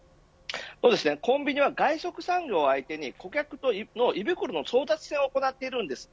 コンビニは外食産業を相手に顧客の胃袋の争奪戦を行っているんですね。